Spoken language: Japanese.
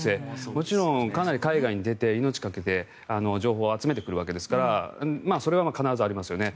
もちろん海外に出て命をかけて情報を集めてくるわけですからそれは必ずありますよね。